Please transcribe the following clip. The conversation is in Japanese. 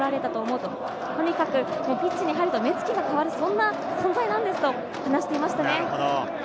とにかくピッチに入ると目つきが変わる、そんな存在なんだと話していました。